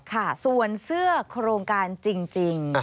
ค่ะส่วนเสื้อโครงการจริง